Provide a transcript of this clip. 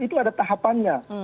itu ada tahapannya